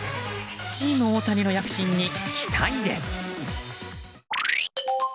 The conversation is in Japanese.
チーム大谷の躍進に期待です。